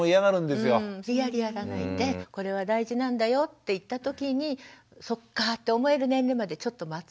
無理やりやらないでこれは大事なんだよっていった時にそっかって思える年齢までちょっと待つ。